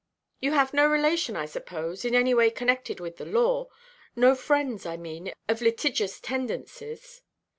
"You have no relation, I suppose, in any way connected with the law? No friends, I mean, of litigious tendencies?"